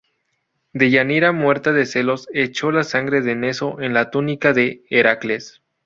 Deyanira, muerta de celos, echó la sangre de Neso en la túnica de Heracles.